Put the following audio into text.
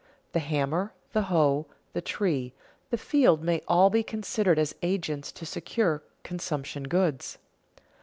The hammer, the hoe, the tree, the field may all be considered as agents to secure consumption goods.